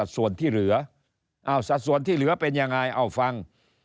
สัดส่วนที่เหลือเป็นยังไงเอาฟัง